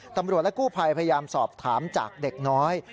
ตำรวจและกู้ภัยพยายามสอบถามจากเด็กน้อย